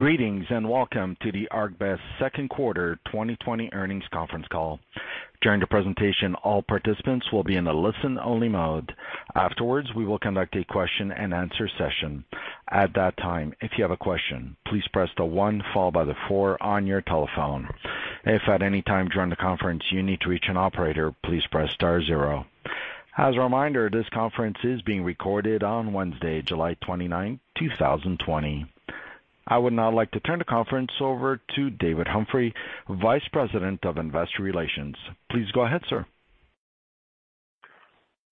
...Greetings, and welcome to the ArcBest second quarter 2020 earnings conference call. During the presentation, all participants will be in a listen-only mode. Afterwards, we will conduct a question-and-answer session. At that time, if you have a question, please press the one followed by the four on your telephone. If at any time during the conference you need to reach an operator, please press star zero. As a reminder, this conference is being recorded on Wednesday, July 29th, 2020. I would now like to turn the conference over to David Humphrey, Vice President of Investor Relations. Please go ahead, sir.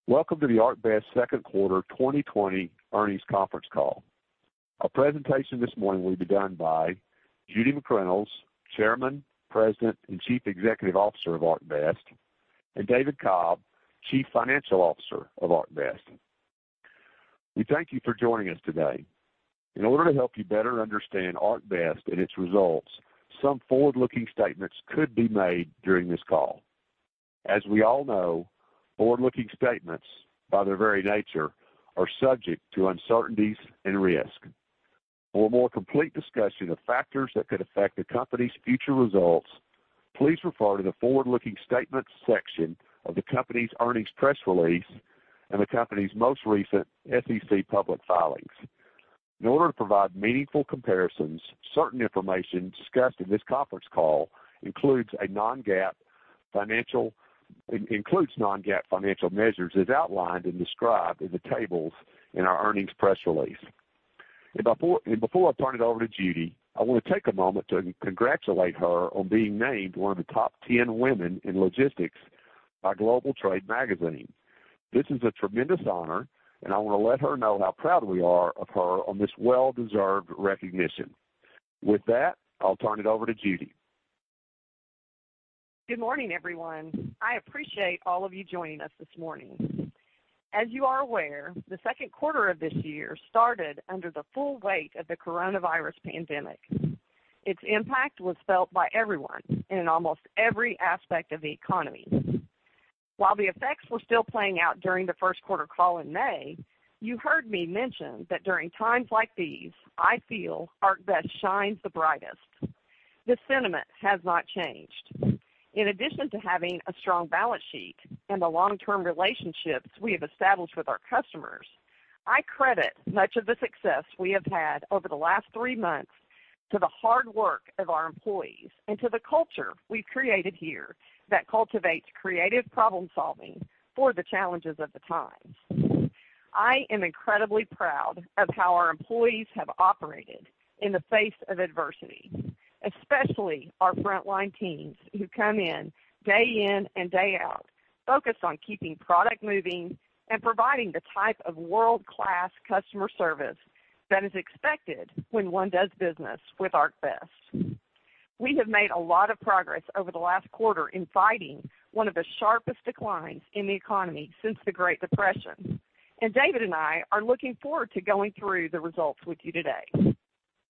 Welcome to the ArcBest second quarter 2020 earnings conference call. Our presentation this morning will be done by Judy McReynolds, Chairman, President, and Chief Executive Officer of ArcBest, and David Cobb, Chief Financial Officer of ArcBest. We thank you for joining us today. In order to help you better understand ArcBest and its results, some forward-looking statements could be made during this call. As we all know, forward-looking statements, by their very nature, are subject to uncertainties and risk. For a more complete discussion of factors that could affect the company's future results, please refer to the Forward-Looking Statements section of the company's earnings press release and the company's most recent SEC public filings. In order to provide meaningful comparisons, certain information discussed in this conference call includes non-GAAP financial measures, as outlined and described in the tables in our earnings press release. Before I turn it over to Judy, I want to take a moment to congratulate her on being named one of the top 10 women in logistics by Global Trade Magazine. This is a tremendous honor, and I want to let her know how proud we are of her on this well-deserved recognition. With that, I'll turn it over to Judy. Good morning, everyone. I appreciate all of you joining us this morning. As you are aware, the second quarter of this year started under the full weight of the coronavirus pandemic. Its impact was felt by everyone and in almost every aspect of the economy. While the effects were still playing out during the first quarter call in May, you heard me mention that during times like these, I feel ArcBest shines the brightest. This sentiment has not changed. In addition to having a strong balance sheet and the long-term relationships we have established with our customers, I credit much of the success we have had over the last three months to the hard work of our employees and to the culture we've created here that cultivates creative problem-solving for the challenges of the times. I am incredibly proud of how our employees have operated in the face of adversity, especially our frontline teams, who come in day in and day out, focused on keeping product moving and providing the type of world-class customer service that is expected when one does business with ArcBest. We have made a lot of progress over the last quarter in fighting one of the sharpest declines in the economy since the Great Depression, and David and I are looking forward to going through the results with you today.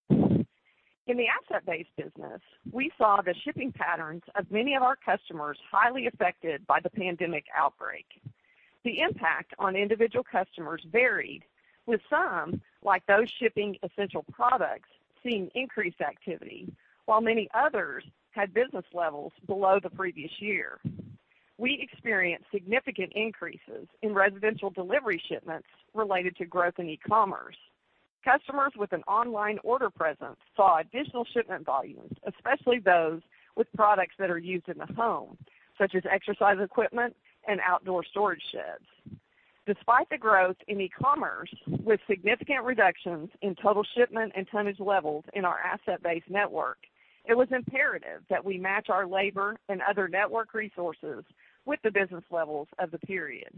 In the Asset-Based business, we saw the shipping patterns of many of our customers highly affected by the pandemic outbreak. The impact on individual customers varied, with some, like those shipping essential products, seeing increased activity, while many others had business levels below the previous year. We experienced significant increases in residential delivery shipments related to growth in e-commerce. Customers with an online order presence saw additional shipment volumes, especially those with products that are used in the home, such as exercise equipment and outdoor storage sheds. Despite the growth in e-commerce, with significant reductions in total shipment and tonnage levels in our Asset-Based network, it was imperative that we match our labor and other network resources with the business levels of the period.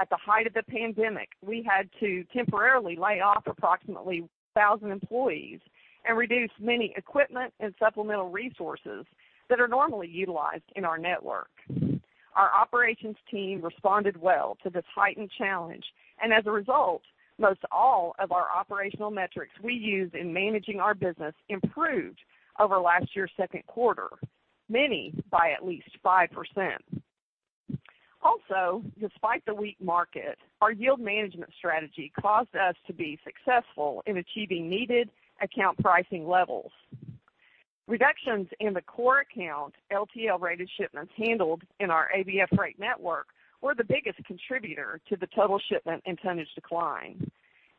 At the height of the pandemic, we had to temporarily lay off approximately 1,000 employees and reduce many equipment and Supplemental resources that are normally utilized in our network. Our operations team responded well to this heightened challenge, and as a result, most all of our operational metrics we use in managing our business improved over last year's second quarter, many by at least 5%. Also, despite the weak market, our yield management strategy caused us to be successful in achieving needed account pricing levels. Reductions in the core account, LTL-rated shipments handled in our ABF Freight network, were the biggest contributor to the total shipment and tonnage decline.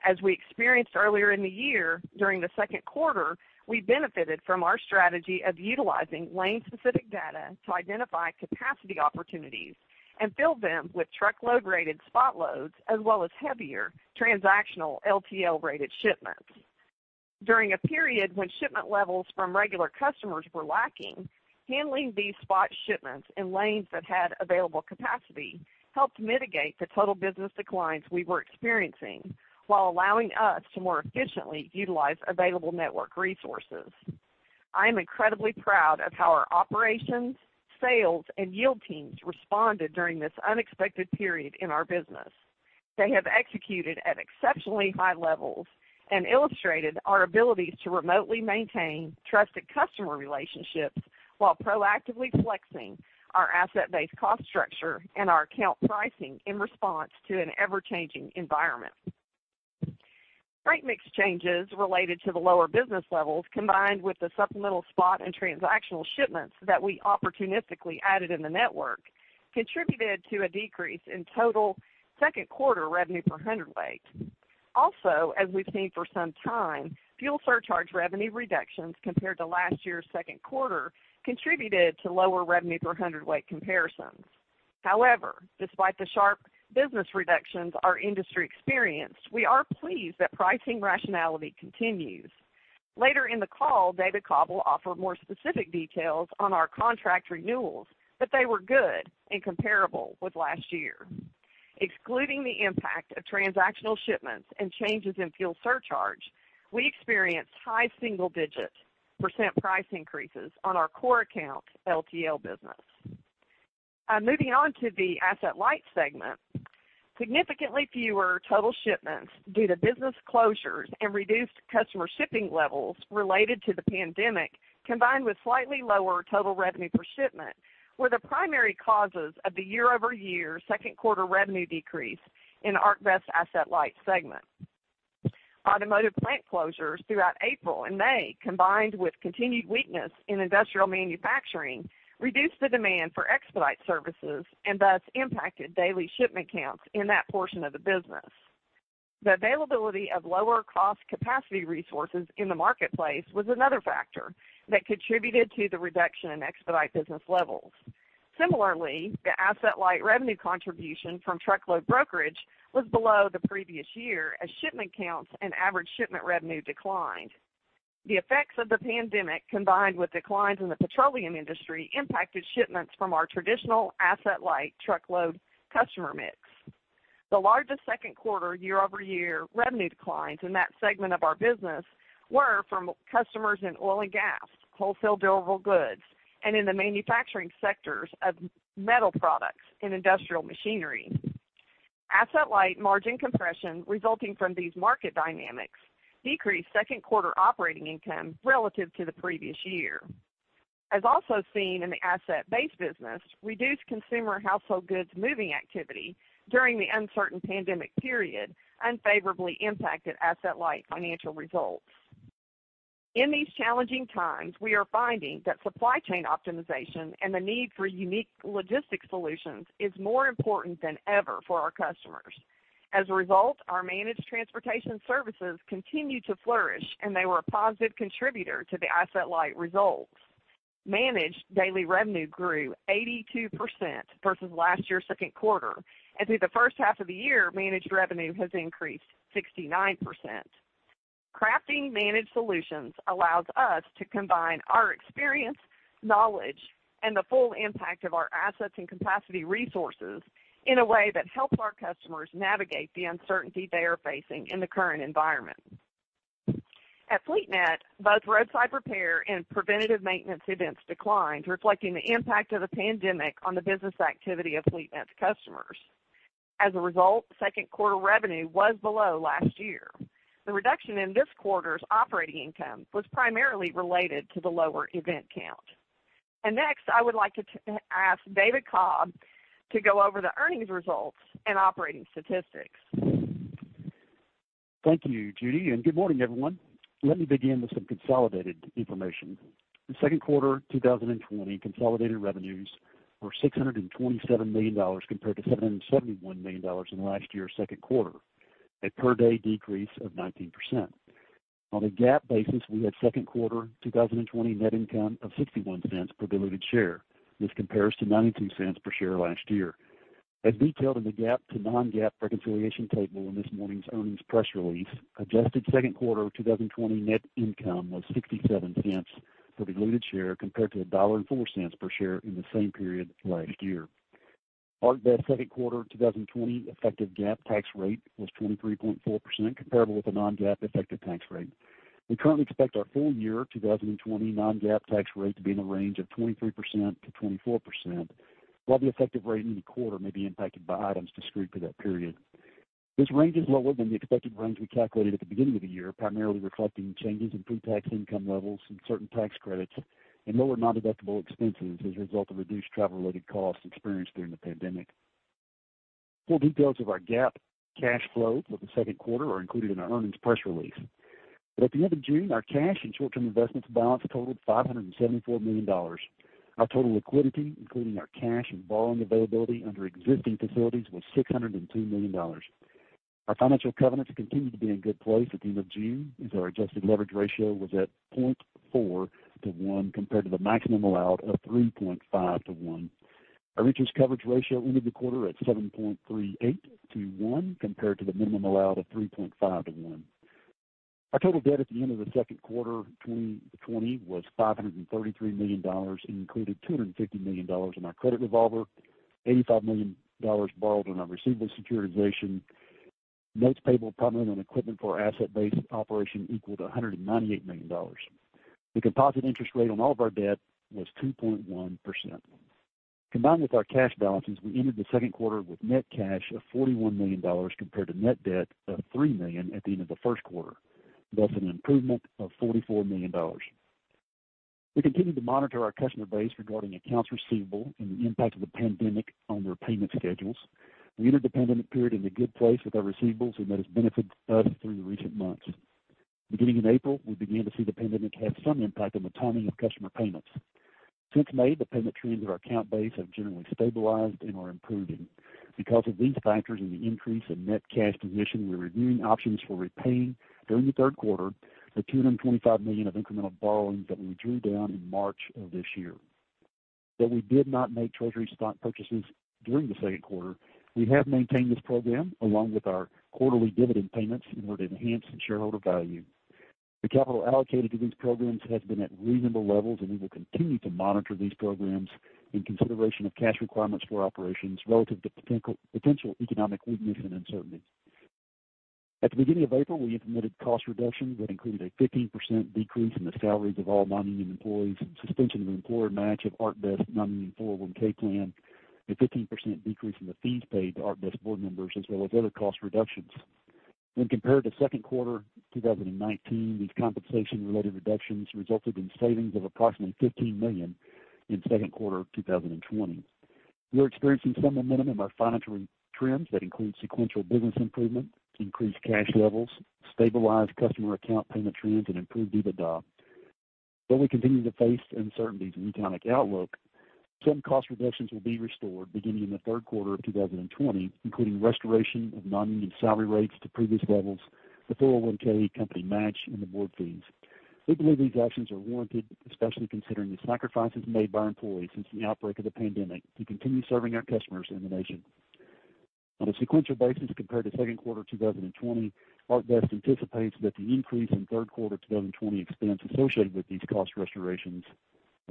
As we experienced earlier in the year, during the second quarter, we benefited from our strategy of utilizing lane-specific data to identify capacity opportunities and fill them with truckload-rated spot loads, as well as heavier transactional LTL-rated shipments. During a period when shipment levels from regular customers were lacking, handling these spot shipments in lanes that had available capacity helped mitigate the total business declines we were experiencing, while allowing us to more efficiently utilize available network resources. I am incredibly proud of how our operations, sales, and yield teams responded during this unexpected period in our business. They have executed at exceptionally high levels and illustrated our ability to remotely maintain trusted customer relationships while proactively flexing our Asset-Based cost structure and our account pricing in response to an ever-changing environment... Freight mix changes related to the lower business levels, combined with the Supplemental spot and transactional shipments that we opportunistically added in the network, contributed to a decrease in total second quarter revenue per hundredweight. Also, as we've seen for some time, fuel surcharge revenue reductions compared to last year's second quarter contributed to lower revenue per hundredweight comparisons. However, despite the sharp business reductions our industry experienced, we are pleased that pricing rationality continues. Later in the call, David Cobb will offer more specific details on our contract renewals, but they were good and comparable with last year. Excluding the impact of transactional shipments and changes in fuel surcharge, we experienced high single-digit percentage price increases on our core accounts LTL business. Moving on to the Asset-Light segment. Significantly fewer total shipments due to business closures and reduced customer shipping levels related to the pandemic, combined with slightly lower total revenue per shipment, were the primary causes of the year-over-year second quarter revenue decrease in ArcBest Asset-Light segment. Automotive plant closures throughout April and May, combined with continued weakness in industrial manufacturing, reduced the demand for expedite services and thus impacted daily shipment counts in that portion of the business. The availability of lower cost capacity resources in the marketplace was another factor that contributed to the reduction in expedite business levels. Similarly, the Asset-Light revenue contribution from truckload brokerage was below the previous year, as shipment counts and average shipment revenue declined. The effects of the pandemic, combined with declines in the petroleum industry, impacted shipments from our traditional Asset-Light truckload customer mix. The largest second quarter year-over-year revenue declines in that segment of our business were from customers in oil and gas, wholesale durable goods, and in the manufacturing sectors of metal products and industrial machinery. Asset-Light margin compression resulting from these market dynamics decreased second quarter operating income relative to the previous year. As also seen in the Asset-Based business, reduced consumer household goods moving activity during the uncertain pandemic period unfavorably impacted Asset-Light financial results. In these challenging times, we are finding that supply chain optimization and the need for unique logistics solutions is more important than ever for our customers. As a result, our Managed Transportation services continue to flourish, and they were a positive contributor to the Asset-Light results. Managed daily revenue grew 82% versus last year's second quarter, and through the first half of the year, Managed revenue has increased 69%. Crafting managed solutions allows us to combine our experience, knowledge, and the full impact of our assets and capacity resources in a way that helps our customers navigate the uncertainty they are facing in the current environment. At FleetNet, both roadside repair and preventative maintenance events declined, reflecting the impact of the pandemic on the business activity of FleetNet's customers. As a result, second quarter revenue was below last year. The reduction in this quarter's operating income was primarily related to the lower event count. Next, I would like to ask David Cobb to go over the earnings results and operating statistics. Thank you, Judy, and good morning, everyone. Let me begin with some consolidated information. The second quarter 2020 consolidated revenues were $627 million, compared to $771 million in last year's second quarter, a per-day decrease of 19%. On a GAAP basis, we had second quarter 2020 net income of $0.61 per diluted share. This compares to $0.92 per share last year. As detailed in the GAAP to non-GAAP reconciliation table in this morning's earnings press release, adjusted second quarter 2020 net income was $0.67 per diluted share, compared to $1.04 per share in the same period last year. ArcBest second quarter 2020 effective GAAP tax rate was 23.4%, comparable with the non-GAAP effective tax rate. We currently expect our full year 2020 non-GAAP tax rate to be in the range of 23%-24%, while the effective rate in the quarter may be impacted by items discrete for that period. This range is lower than the expected range we calculated at the beginning of the year, primarily reflecting changes in pre-tax income levels and certain tax credits and lower non-deductible expenses as a result of reduced travel-related costs experienced during the pandemic. Full details of our GAAP cash flow for the second quarter are included in our earnings press release. At the end of June, our cash and short-term investments balance totaled $574 million. Our total liquidity, including our cash and borrowing availability under existing facilities, was $602 million. Our financial covenants continued to be in good place at the end of June, as our adjusted leverage ratio was at 0.4:1, compared to the maximum allowed of 3.5:1. Our interest coverage ratio ended the quarter at 7.38:1, compared to the minimum allowed of 3.5:1. Our total debt at the end of the second quarter 2020 was $533 million and included $250 million in our credit revolver, $85 million borrowed on our receivables securitization. Notes payable, primarily on equipment for our Asset-Based operation equaled $198 million. The composite interest rate on all of our debt was 2.1%. Combined with our cash balances, we ended the second quarter with net cash of $41 million, compared to net debt of $3 million at the end of the first quarter, thus an improvement of $44 million. We continue to monitor our customer base regarding accounts receivable and the impact of the pandemic on their payment schedules. We entered the pandemic period in a good place with our receivables, and that has benefited us through the recent months. Beginning in April, we began to see the pandemic have some impact on the timing of customer payments. Since May, the payment trends of our account base have generally stabilized and are improving. Because of these factors and the increase in net cash position, we're reviewing options for repaying during the third quarter the $225 million of incremental borrowings that we drew down in March of this year. Though we did not make treasury stock purchases during the second quarter, we have maintained this program along with our quarterly dividend payments in order to enhance the shareholder value. The capital allocated to these programs has been at reasonable levels, and we will continue to monitor these programs in consideration of cash requirements for operations relative to potential economic weakness and uncertainty. At the beginning of April, we implemented cost reductions that included a 15% decrease in the salaries of all non-union employees, suspension of employer match of ArcBest non-union 401(k) plan, a 15% decrease in the fees paid to ArcBest board members, as well as other cost reductions. When compared to second quarter 2019, these compensation-related reductions resulted in savings of approximately $15 million in second quarter of 2020. We are experiencing some momentum in our financial trends that include sequential business improvement, increased cash levels, stabilized customer account payment trends, and improved EBITDA. While we continue to face uncertainties in the economic outlook, some cost reductions will be restored beginning in the third quarter of 2020, including restoration of non-union salary rates to previous levels, the 401(k) company match, and the board fees. We believe these actions are warranted, especially considering the sacrifices made by our employees since the outbreak of the pandemic to continue serving our customers and the nation. On a sequential basis compared to second quarter 2020, ArcBest anticipates that the increase in third quarter 2020 expense associated with these cost restorations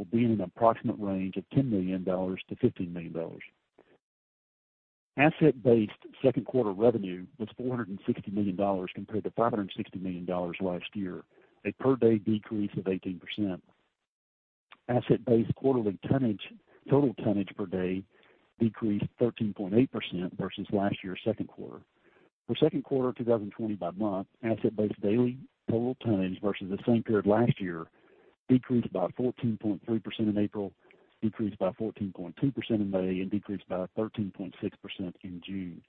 will be in an approximate range of $10 million-$15 million. Asset-Based second quarter revenue was $460 million compared to $560 million last year, a per-day decrease of 18%. Asset-Based quarterly tonnage, total tonnage per day decreased 13.8% versus last year's second quarter. For second quarter 2020 by month, Asset-Based daily total tonnage versus the same period last year decreased by 14.3% in April, decreased by 14.2% in May, and decreased by 13.6% in June.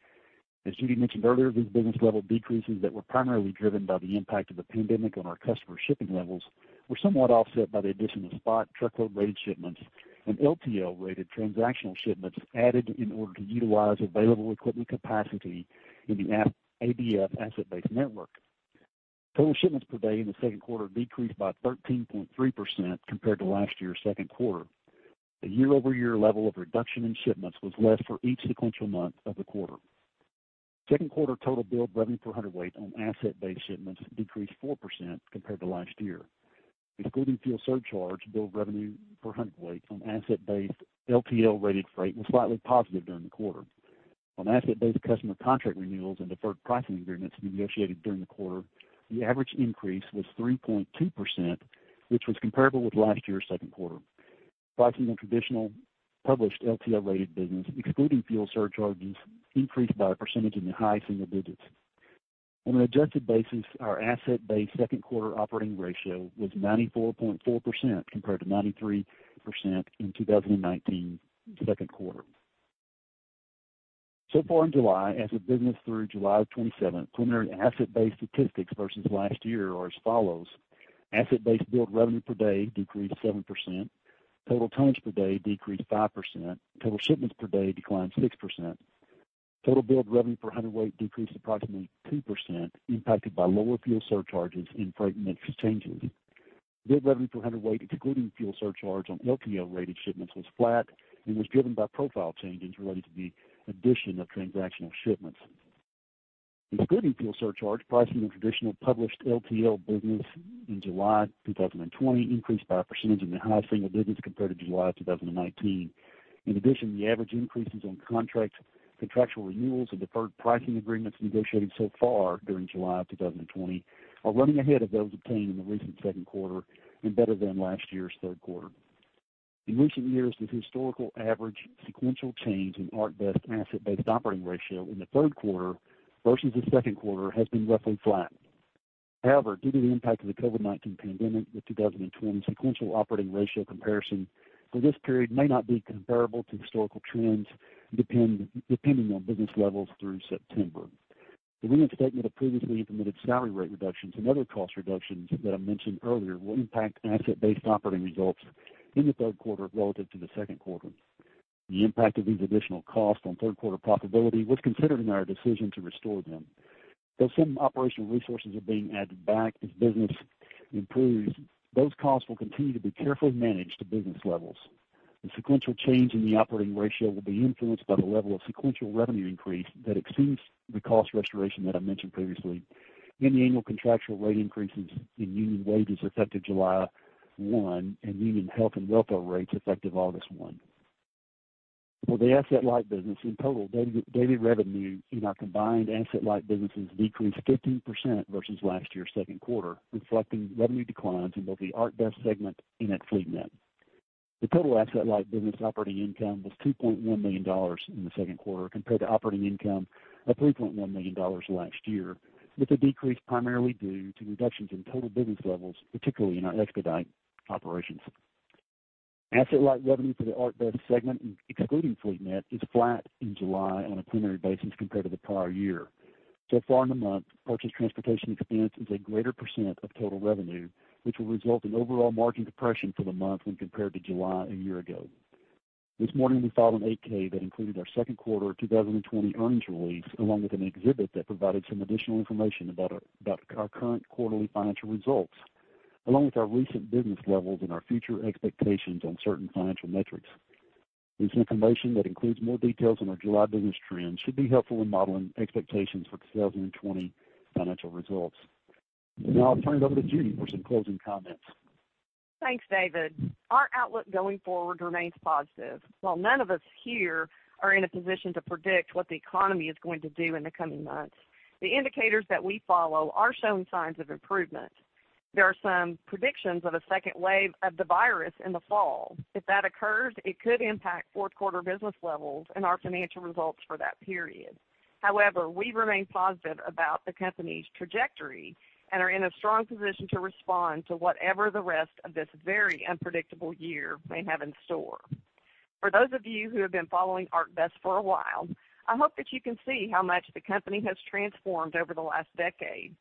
As Judy mentioned earlier, these business level decreases that were primarily driven by the impact of the pandemic on our customer shipping levels were somewhat offset by the addition of spot truckload-rate shipments and LTL-rated transactional shipments added in order to utilize available equipment capacity in the ABF Asset-Based network. Total shipments per day in the second quarter decreased by 13.3% compared to last year's second quarter. The year-over-year level of reduction in shipments was less for each sequential month of the quarter. Second quarter total billed revenue per hundredweight on Asset-Based shipments decreased 4% compared to last year. Excluding fuel surcharge, billed revenue per hundredweight on Asset-Based LTL-rated freight was slightly positive during the quarter. On Asset-Based customer contract renewals and deferred pricing agreements negotiated during the quarter, the average increase was 3.2%, which was comparable with last year's second quarter. Pricing and traditional published LTL-rated business, excluding fuel surcharges, increased by a percentage in the high single-digits. On an adjusted basis, our Asset-Based second quarter operating ratio was 94.4%, compared to 93% in 2019 second quarter. So far in July, as of business through July 27th, preliminary Asset-Based statistics versus last year are as follows: Asset-Based billed revenue per day decreased 7%, total tonnage per day decreased 5%, total shipments per day declined 6%. Total billed revenue per hundredweight decreased approximately 2%, impacted by lower fuel surcharges and freight mix changes. Billed revenue per hundredweight, excluding fuel surcharge on LTL-rated shipments, was flat and was driven by profile changes related to the addition of transactional shipments. Excluding fuel surcharge, pricing and traditional published LTL business in July 2020 increased by a percentage in the high single-digits compared to July 2019. In addition, the average increases on contracts, contractual renewals, and deferred pricing agreements negotiated so far during July of 2020 are running ahead of those obtained in the recent second quarter and better than last year's third quarter. In recent years, the historical average sequential change in ArcBest Asset-Based operating ratio in the third quarter versus the second quarter has been roughly flat. However, due to the impact of the COVID-19 pandemic, the 2020 sequential operating ratio comparison for this period may not be comparable to historical trends, depending on business levels through September. The reinstatement of previously implemented salary rate reductions and other cost reductions that I mentioned earlier will impact Asset-Based operating results in the third quarter relative to the second quarter. The impact of these additional costs on third quarter profitability was considered in our decision to restore them. Though some operational resources are being added back as business improves, those costs will continue to be carefully managed to business levels. The sequential change in the operating ratio will be influenced by the level of sequential revenue increase that exceeds the cost restoration that I mentioned previously, and the annual contractual rate increases in union wages effective July 1st, and union health and welfare rates effective August 1st. For the Asset-Light business in total, daily, daily revenue in our combined Asset-Light businesses decreased 15% versus last year's second quarter, reflecting revenue declines in both the ArcBest segment and at FleetNet. The total Asset-Light business operating income was $2.1 million in the second quarter, compared to operating income of $3.1 million last year, with a decrease primarily due to reductions in total business levels, particularly in our expedite operations. Asset-Light revenue for the ArcBest segment, excluding FleetNet, is flat in July on a preliminary basis compared to the prior year. So far in the month, purchased transportation expense is a greater percent of total revenue, which will result in overall margin depression for the month when compared to July a year ago. This morning, we filed an 8-K that included our second quarter 2020 earnings release, along with an exhibit that provided some additional information about our, about our current quarterly financial results, along with our recent business levels and our future expectations on certain financial metrics. This information that includes more details on our July business trends should be helpful in modeling expectations for 2020 financial results. Now I'll turn it over to Judy for some closing comments. Thanks, David. Our outlook going forward remains positive. While none of us here are in a position to predict what the economy is going to do in the coming months, the indicators that we follow are showing signs of improvement. There are some predictions of a second wave of the virus in the fall. If that occurs, it could impact fourth quarter business levels and our financial results for that period. However, we remain positive about the company's trajectory and are in a strong position to respond to whatever the rest of this very unpredictable year may have in store. For those of you who have been following ArcBest for a while, I hope that you can see how much the company has transformed over the last decade.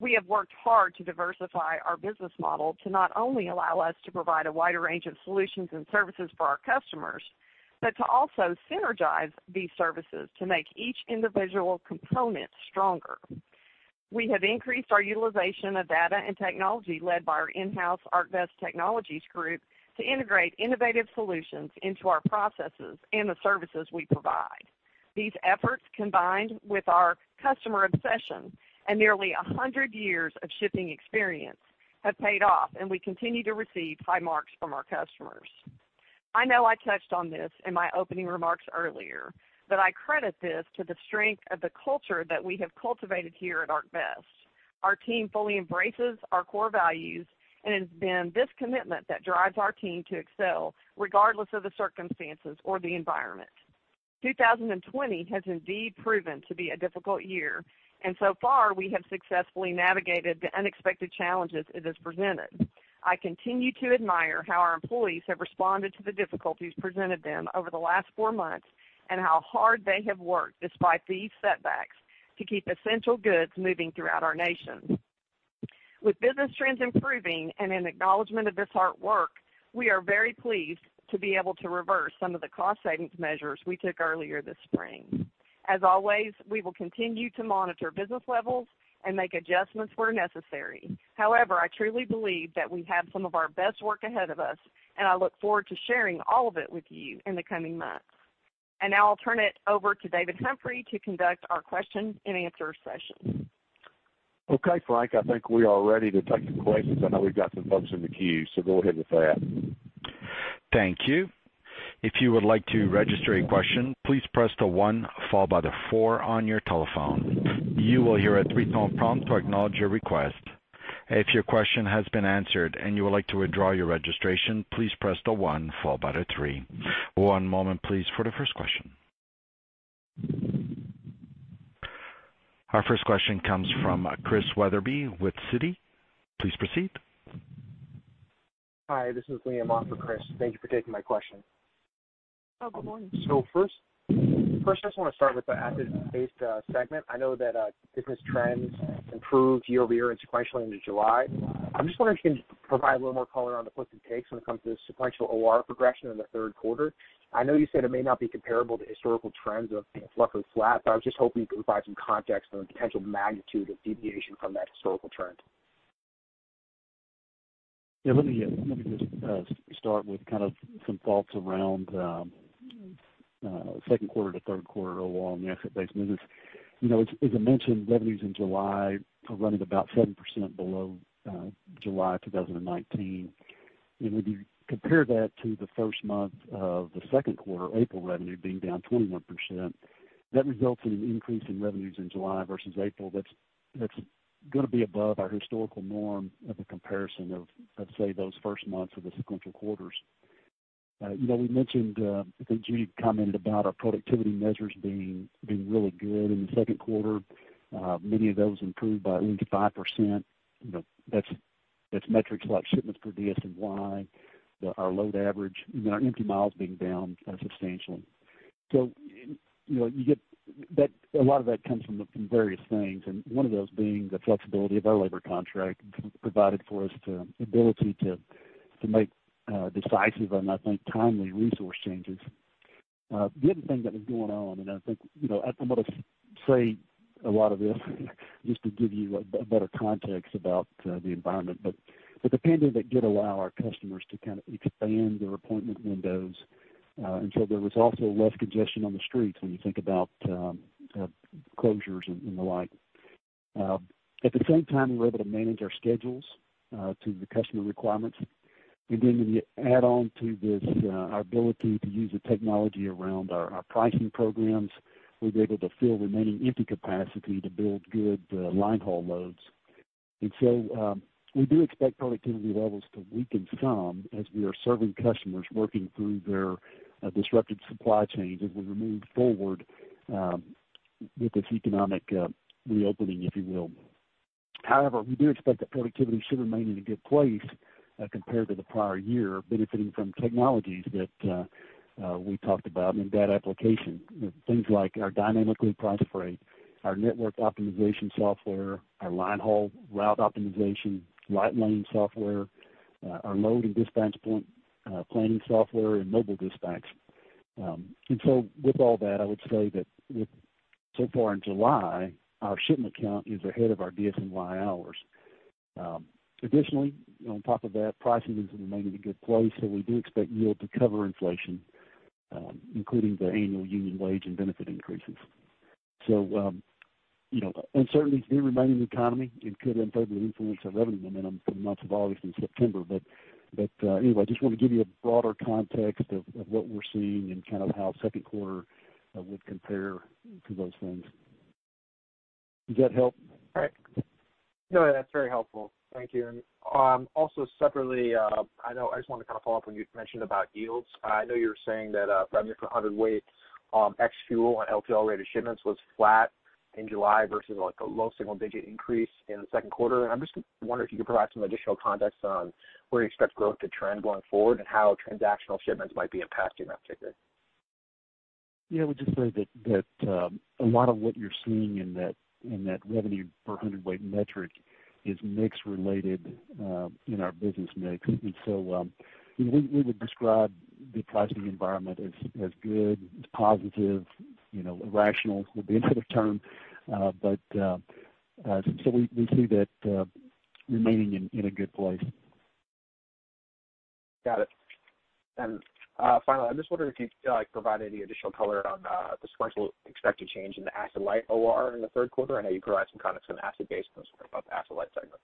We have worked hard to diversify our business model, to not only allow us to provide a wider range of solutions and services for our customers, but to also synergize these services to make each individual component stronger. We have increased our utilization of data and technology led by our in-house ArcBest Technologies group, to integrate innovative solutions into our processes and the services we provide. These efforts, combined with our customer obsession and nearly a hundred years of shipping experience, have paid off, and we continue to receive high marks from our customers. I know I touched on this in my opening remarks earlier, but I credit this to the strength of the culture that we have cultivated here at ArcBest. Our team fully embraces our core values, and it's been this commitment that drives our team to excel, regardless of the circumstances or the environment. 2020 has indeed proven to be a difficult year, and so far, we have successfully navigated the unexpected challenges it has presented. I continue to admire how our employees have responded to the difficulties presented them over the last four months, and how hard they have worked despite these setbacks, to keep essential goods moving throughout our nation. With business trends improving and in acknowledgment of this hard work, we are very pleased to be able to reverse some of the cost-savings measures we took earlier this spring. As always, we will continue to monitor business levels and make adjustments where necessary. However, I truly believe that we have some of our best work ahead of us, and I look forward to sharing all of it with you in the coming months. Now I'll turn it over to David Humphrey to conduct our question and answer session. Okay, Frank, I think we are ready to take the questions. I know we've got some folks in the queue, so go ahead with that. Thank you. If you would like to register a question, please press the one followed by the four on your telephone. You will hear a three-tone prompt to acknowledge your request. If your question has been answered and you would like to withdraw your registration, please press the one followed by the three. One moment, please, for the first question. Our first question comes from Chris Wetherbee with Citi. Please proceed. Hi, this is Liam on for Chris. Thank you for taking my question. Oh, good morning. So first, I just want to start with the Asset-Based segment. I know that business trends improved year over year and sequentially into July. I'm just wondering if you can provide a little more color on the puts and takes when it comes to the sequential OR progression in the third quarter. I know you said it may not be comparable to historical trends of being flat or flat, but I was just hoping you could provide some context on the potential magnitude of deviation from that historical trend. Yeah, let me, let me just start with kind of some thoughts around second quarter to third quarter along the Asset-Based business. You know, as I mentioned, revenues in July are running about 7% below July 2019. And when you compare that to the first month of the second quarter, April revenue being down 21%, that results in an increase in revenues in July versus April. That's gonna be above our historical norm of a comparison of, say, those first months of the sequential quarters. You know, we mentioned, I think Judy commented about our productivity measures being really good in the second quarter. Many of those improved by 85%. You know, that's metrics like shipments per DSH, our load average, and our empty miles being down substantially. So, you know, you get that. A lot of that comes from the, from various things, and one of those being the flexibility of our labor contract, provided for us to ability to, to make, decisive and I think, timely resource changes. The other thing that was going on, and I think, you know, I want to say a lot of this just to give you a, a better context about, the environment, but, but the pandemic did allow our customers to kind of expand their appointment windows. And so there was also less congestion on the streets when you think about, closures and, and the like. At the same time, we were able to manage our schedules, to the customer requirements. And then when you add on to this, our ability to use the technology around our pricing programs, we were able to fill remaining empty capacity to build good linehaul loads. And so, we do expect productivity levels to weaken some as we are serving customers working through their disrupted supply chains as we move forward with this economic reopening, if you will. However, we do expect that productivity should remain in a good place compared to the prior year, benefiting from technologies that we talked about and that application. Things like our dynamically priced freight, our network optimization software, our linehaul route optimization, light lane software, our load and dispatch point planning software and mobile dispatch. And so with all that, I would say that with so far in July, our shipment count is ahead of our DSH hours. Additionally, on top of that, pricing has remained in a good place, so we do expect yield to cover inflation, including the annual union wage and benefit increases. So, you know, uncertainty in remaining the economy, it could unfavorably influence our revenue momentum for the months of August and September. But anyway, I just want to give you a broader context of what we're seeing and kind of how second quarter would compare to those things. Does that help? All right. No, that's very helpful. Thank you. Also separately, I know I just wanted to kind of follow up when you mentioned about yields. I know you're saying that revenue for hundred weight ex fuel on LTL rate of shipments was flat in July versus, like, a low single-digit increase in the second quarter. And I'm just wondering if you could provide some additional context on where you expect growth to trend going forward and how transactional shipments might be impacting that figure. Yeah, I would just say that a lot of what you're seeing in that revenue per hundredweight metric is mix related in our business mix. And so we would describe the pricing environment as good, as positive, you know, rational would be into the term. But so we see that remaining in a good place. Got it. Finally, I'm just wondering if you could, like, provide any additional color on the sequential expected change in the Asset-Light OR in the third quarter, and how you provide some context on Asset-Based of Asset-Light segment?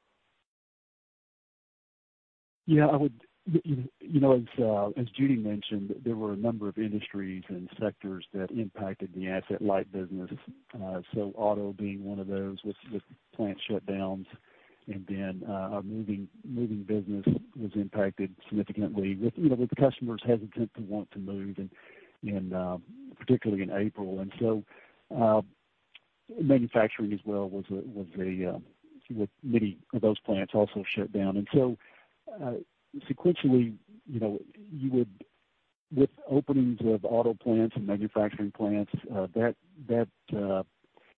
Yeah, I would, you know, as Judy mentioned, there were a number of industries and sectors that impacted the Asset-Light business. So auto being one of those with plant shutdowns, and then our moving business was impacted significantly with, you know, with customers hesitant to want to move, and particularly in April. And so, sequentially, you know, you would with openings of auto plants and manufacturing plants, that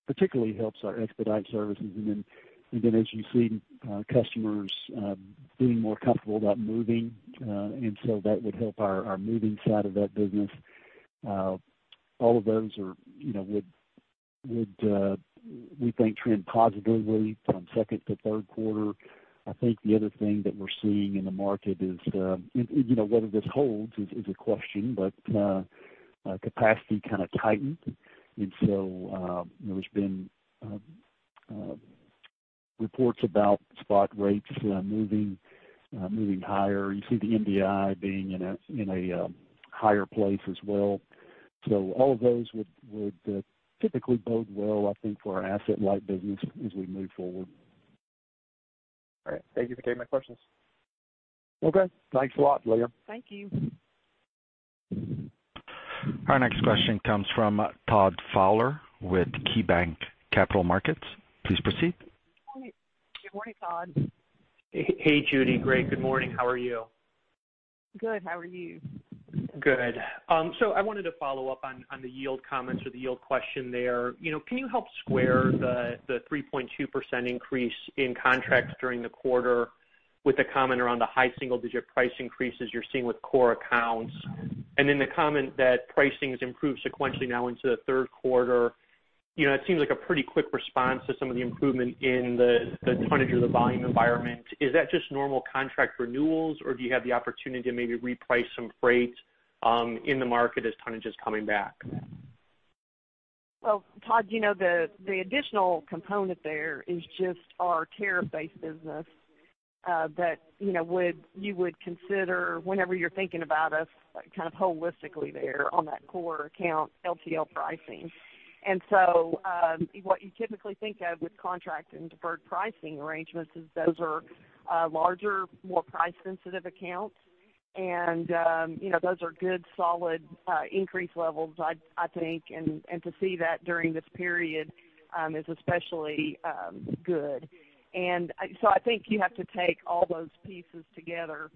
particularly helps our expedite services. And then as you see, customers feeling more comfortable about moving, and so that would help our moving side of that business. All of those are, you know, would we think trend positively from second to third quarter. I think the other thing that we're seeing in the market is, you know, whether this holds is a question, but capacity kind of tightened. And so, there's been reports about spot rates moving higher. You see the MDI being in a higher place as well. So all of those would typically bode well, I think, for our Asset-Light business as we move forward. All right. Thank you for taking my questions. Okay. Thanks a lot, Liam. Thank you. Our next question comes from Todd Fowler with KeyBanc Capital Markets. Please proceed. Good morning, Todd. Hey, Judy. Great. Good morning. How are you? Good. How are you? Good. So I wanted to follow up on the yield comments or the yield question there. You know, can you help square the 3.2% increase in contracts during the quarter with a comment around the high single-digit price increases you're seeing with core accounts? And then the comment that pricing has improved sequentially now into the third quarter. You know, it seems like a pretty quick response to some of the improvement in the tonnage of the volume environment. Is that just normal contract renewals, or do you have the opportunity to maybe reprice some freight in the market as tonnage is coming back? Well, Todd, you know, the additional component there is just our tariff-based business, that, you know, would... You would consider whenever you're thinking about us, kind of holistically there on that core account, LTL pricing. And so, what you typically think of with contract and deferred pricing arrangements, is those are larger, more price-sensitive accounts. And, you know, those are good, solid increase levels, I think. And, to see that during this period, is especially good. And so I think you have to take all those pieces together,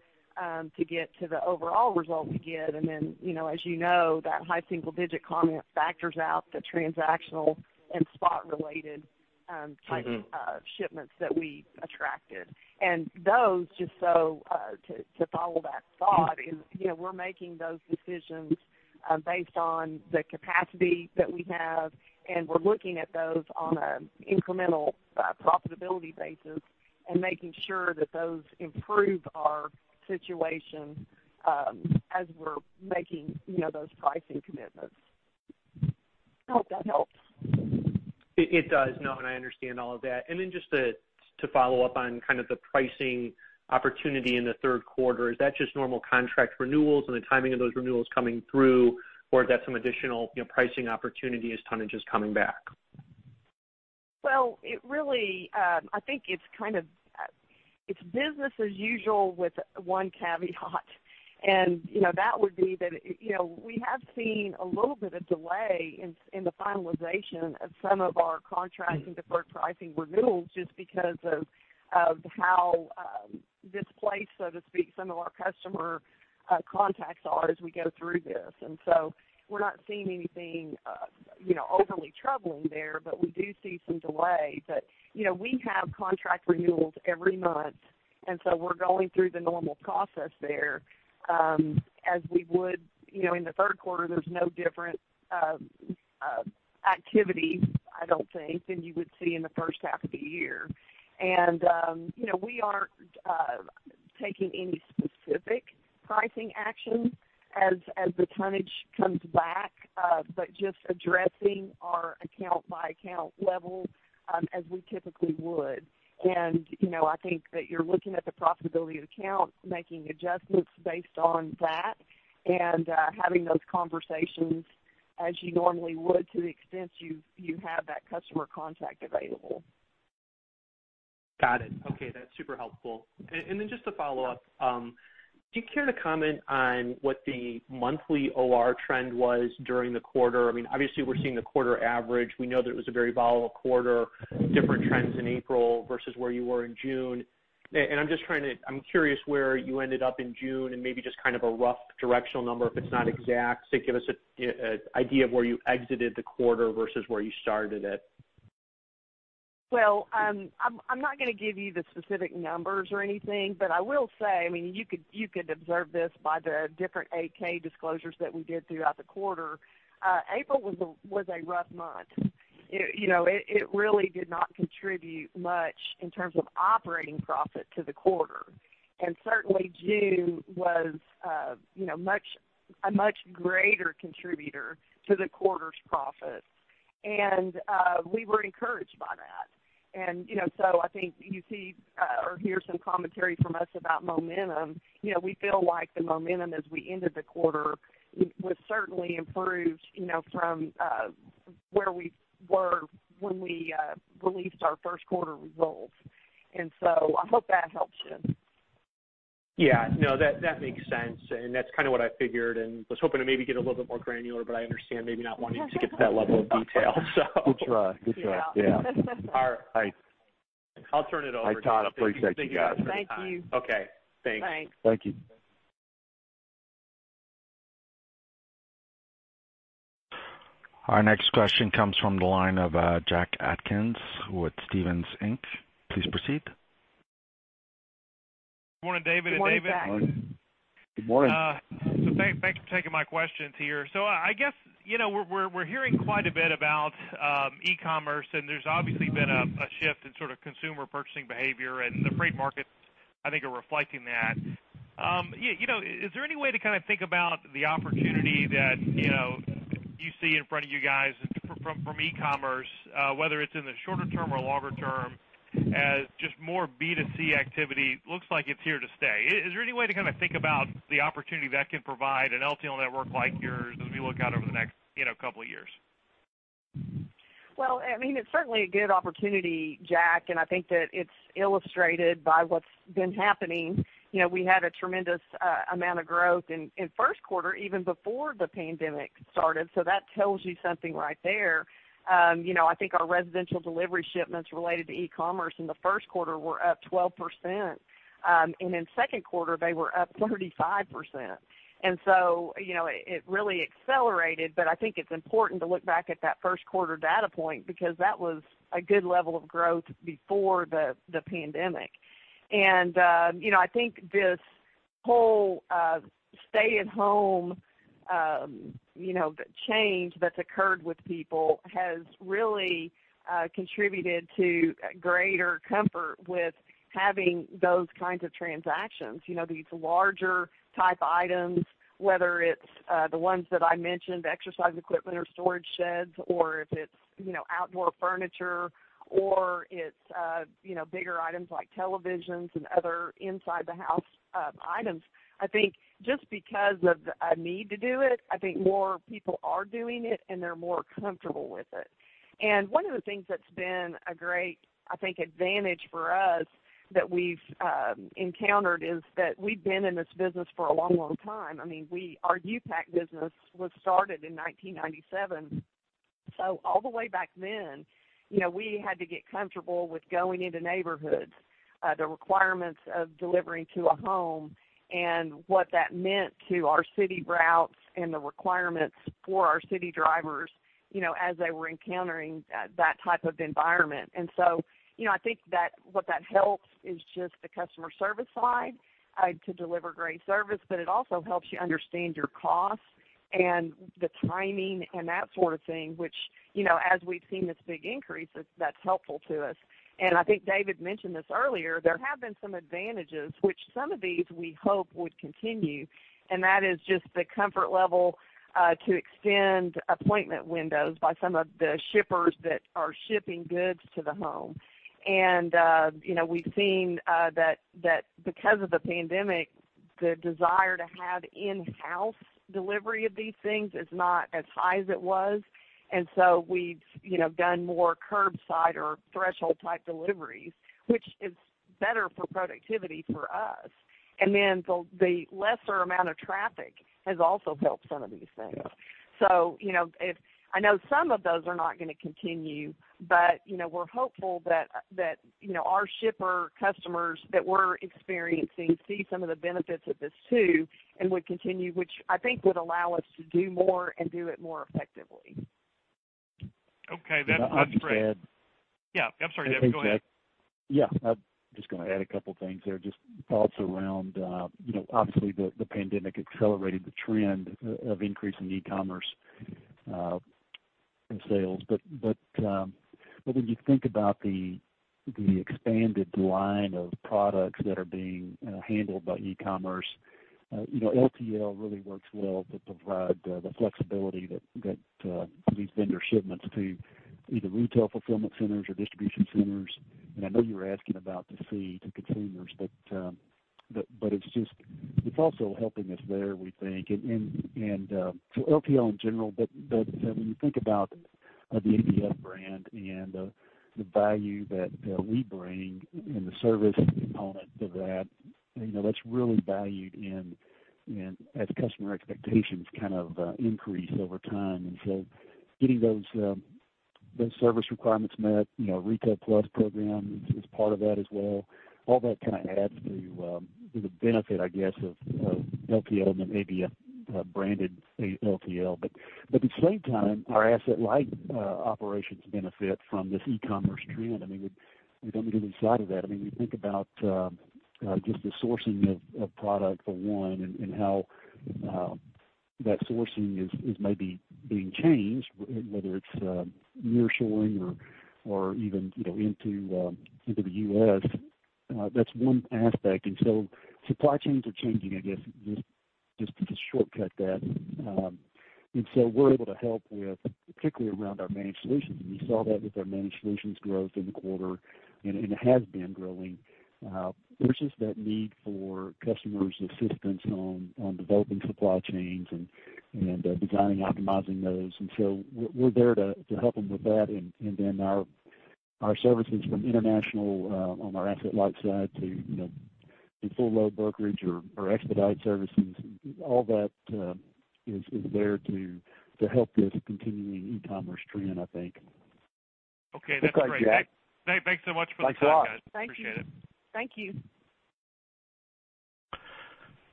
to get to the overall result we get. And then, you know, as you know, that high single-digit comment factors out the transactional and spot-related, Mm-hmm. Type shipments that we attracted. And those, just so to follow that thought is, you know, we're making those decisions based on the capacity that we have, and we're looking at those on a incremental profitability basis and making sure that those improve our situation as we're making, you know, those pricing commitments. I hope that helps. It does. No, and I understand all of that. And then just to follow up on kind of the pricing opportunity in the third quarter, is that just normal contract renewals and the timing of those renewals coming through, or is that some additional, you know, pricing opportunity as tonnage is coming back? ...Well, it really, I think it's kind of, it's business as usual with one caveat. And, you know, that would be that, you know, we have seen a little bit of delay in the finalization of some of our contracts and deferred pricing renewals, just because of how displaced, so to speak, some of our customer contacts are as we go through this. And so we're not seeing anything, you know, overly troubling there, but we do see some delay. But, you know, we have contract renewals every month, and so we're going through the normal process there, as we would. You know, in the third quarter, there's no different activity, I don't think, than you would see in the first half of the year. You know, we aren't taking any specific pricing action as the tonnage comes back, but just addressing our account by account level, as we typically would. You know, I think that you're looking at the profitability of the account, making adjustments based on that, and having those conversations as you normally would, to the extent you have that customer contact available. Got it. Okay, that's super helpful. And then just to follow up, do you care to comment on what the monthly OR trend was during the quarter? I mean, obviously, we're seeing the quarter average. We know that it was a very volatile quarter, different trends in April versus where you were in June. And I'm just trying to, I'm curious where you ended up in June and maybe just kind of a rough directional number, if it's not exact, to give us a idea of where you exited the quarter versus where you started it. Well, I'm not going to give you the specific numbers or anything, but I will say, I mean, you could observe this by the different 8-K disclosures that we did throughout the quarter. April was a rough month. It, you know, it really did not contribute much in terms of operating profit to the quarter. And certainly June was, you know, much a much greater contributor to the quarter's profit. And we were encouraged by that. And, you know, so I think you see or hear some commentary from us about momentum. You know, we feel like the momentum as we ended the quarter was certainly improved, you know, from where we were when we released our first quarter results. And so I hope that helps you. Yeah. No, that makes sense, and that's kind of what I figured and was hoping to maybe get a little bit more granular, but I understand maybe not wanting to get to that level of detail, so. Good try. Good try. Yeah. Yeah. All right. I'll turn it over. Hi, Todd. Appreciate you guys. Thank you. Okay, thanks. Bye. Thank you. Our next question comes from the line of, Jack Atkins, with Stephens Inc. Please proceed. Good morning, David and David. Good morning, Jack. Thanks for taking my questions here. So I guess, you know, we're hearing quite a bit about e-commerce, and there's obviously been a shift in sort of consumer purchasing behavior, and the freight markets, I think, are reflecting that. Yeah, you know, is there any way to kind of think about the opportunity that, you know, you see in front of you guys from e-commerce, whether it's in the shorter term or longer term, as just more B2C activity looks like it's here to stay? Is there any way to kind of think about the opportunity that can provide an LTL network like yours as we look out over the next, you know, couple of years? Well, I mean, it's certainly a good opportunity, Jack, and I think that it's illustrated by what's been happening. You know, we had a tremendous amount of growth in first quarter, even before the pandemic started, so that tells you something right there. You know, I think our residential delivery shipments related to e-commerce in the first quarter were up 12%. And in second quarter, they were up 35%. And so, you know, it really accelerated, but I think it's important to look back at that first quarter data point, because that was a good level of growth before the pandemic. And, you know, I think this whole stay-at-home, you know, change that's occurred with people has really contributed to greater comfort with having those kinds of transactions. You know, these larger type items, whether it's the ones that I mentioned, exercise equipment or storage sheds, or if it's, you know, outdoor furniture or it's you know, bigger items like televisions and other inside the house items. I think just because of the need to do it, I think more people are doing it, and they're more comfortable with it. And one of the things that's been a great, I think, advantage for us that we've encountered, is that we've been in this business for a long, long time. I mean, our U-Pack business was started in 1997. So all the way back then, you know, we had to get comfortable with going into neighborhoods, the requirements of delivering to a home and what that meant to our city routes and the requirements for our city drivers, you know, as they were encountering that type of environment. And so, you know, I think that what that helps is just the customer service side, to deliver great service, but it also helps you understand your costs and the timing and that sort of thing, which, you know, as we've seen this big increase, that's helpful to us. And I think David mentioned this earlier, there have been some advantages, which some of these we hope would continue, and that is just the comfort level, to extend appointment windows by some of the shippers that are shipping goods to the home. You know, we've seen that because of the pandemic, the desire to have in-house delivery of these things is not as high as it was. And so we've, you know, done more curbside or threshold-type deliveries, which is better for productivity for us. And then the lesser amount of traffic has also helped some of these things. So, you know, if I know some of those are not going to continue, but, you know, we're hopeful that, you know, our shipper customers that we're experiencing see some of the benefits of this, too, and would continue, which I think would allow us to do more and do it more effectively. Okay, that's, that's great. Can I just add? Yeah. I'm sorry, Dave, go ahead. Yeah, I'm just gonna add a couple things there. Just thoughts around, you know, obviously, the pandemic accelerated the trend of increase in e-commerce in sales. But when you think about the expanded line of products that are being handled by e-commerce, you know, LTL really works well to provide the flexibility that these vendor shipments to either retail fulfillment centers or distribution centers. And I know you were asking about B2C to consumers, but it's just - it's also helping us there, we think. And so LTL in general, but when you think about the ABF brand and the value that we bring and the service component to that, you know, that's really valued and as customer expectations kind of increase over time. And so getting those service requirements met, you know, Retail+ program is part of that as well. All that kind of adds to the benefit, I guess, of LTL and ABF branded LTL. But at the same time, our Asset-Light operations benefit from this e-commerce trend. I mean, we don't get inside of that. I mean, we think about just the sourcing of product for one, and how that sourcing is maybe being changed, whether it's near-shoring or even, you know, into the US, that's one aspect. And so supply chains are changing, I guess, just to shortcut that. And so we're able to help with, particularly around our managed solutions, and you saw that with our managed solutions growth in the quarter, and it has been growing. There's just that need for customers' assistance on developing supply chains and designing, optimizing those. And so we're there to help them with that. And then our services from international on our Asset-Light side to, you know, full load brokerage or expedited services, all that is there to help this continuing e-commerce trend, I think. Okay, that's great. Thanks, Jack. Thanks so much for the time, guys. Thanks a lot. Thank you. Appreciate it. Thank you.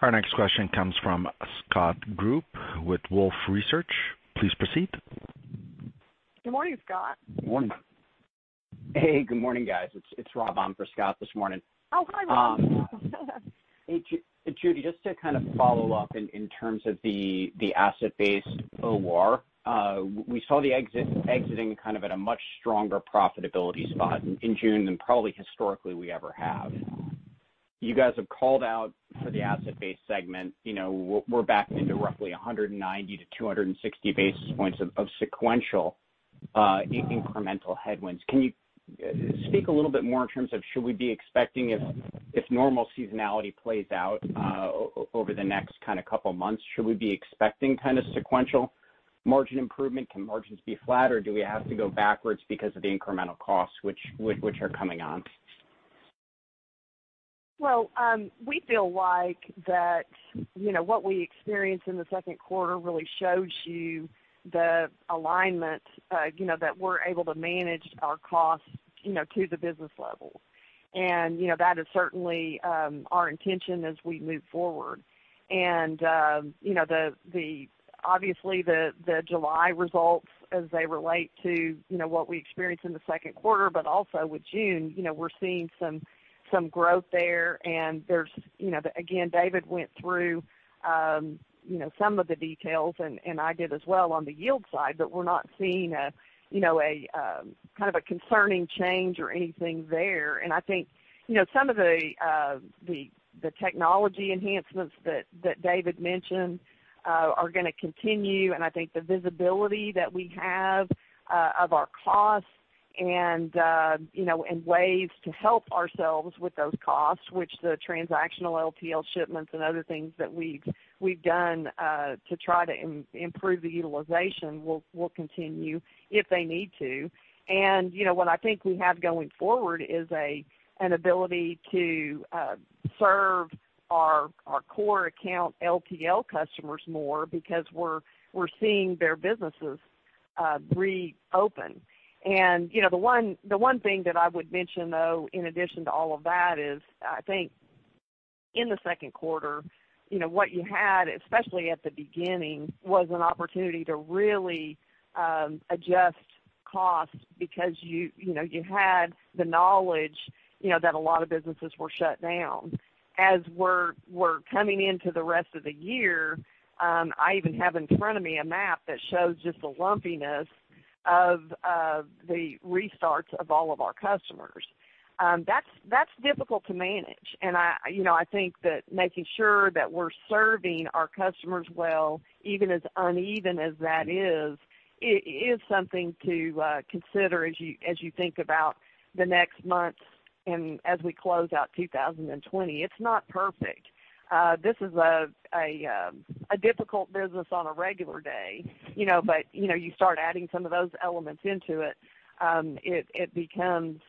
Our next question comes from Scott Group with Wolfe Research. Please proceed. Good morning, Scott. Good morning. Hey, good morning, guys. It's Rob on for Scott this morning. Oh, hi, Rob. Hey, Judy, just to kind of follow up in terms of the Asset-Based OR. We saw the exiting kind of at a much stronger profitability spot in June than probably historically we ever have. You guys have called out for the Asset-Based segment, you know, we're back into roughly 190-260 basis points of sequential incremental headwinds. Can you speak a little bit more in terms of should we be expecting if normal seasonality plays out over the next kind of couple months, should we be expecting kind of sequential margin improvement? Can margins be flat, or do we have to go backwards because of the incremental costs which are coming on? Well, we feel like that, you know, what we experienced in the second quarter really shows you the alignment, you know, that we're able to manage our costs, you know, to the business level. You know, that is certainly our intention as we move forward. You know, obviously the July results as they relate to, you know, what we experienced in the second quarter, but also with June, you know, we're seeing some growth there. There's, you know, again, David went through, you know, some of the details and I did as well on the yield side, but we're not seeing, you know, a kind of concerning change or anything there. And I think, you know, some of the technology enhancements that David mentioned are gonna continue, and I think the visibility that we have of our costs and, you know, and ways to help ourselves with those costs, which the transactional LTL shipments and other things that we've done to try to improve the utilization will continue if they need to. And, you know, what I think we have going forward is an ability to serve our core account LTL customers more because we're seeing their businesses reopen. You know, the one thing that I would mention, though, in addition to all of that, is I think in the second quarter, you know, what you had, especially at the beginning, was an opportunity to really adjust costs because you know you had the knowledge, you know, that a lot of businesses were shut down. As we're coming into the rest of the year, I even have in front of me a map that shows just the lumpiness of the restarts of all of our customers. That's difficult to manage. You know, I think that making sure that we're serving our customers well, even as uneven as that is, is something to consider as you think about the next months... and as we close out 2020, it's not perfect. This is a difficult business on a regular day, you know, but, you know, you start adding some of those elements into it, it becomes,